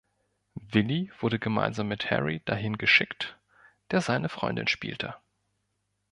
Willie wurde gemeinsam mit Harry dahin geschickt, der seine „Freundin“ spielte.